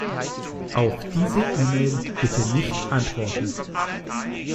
Auf diese E-Mail bitte nicht antworten.